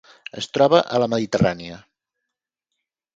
Es troba a la Mediterrània.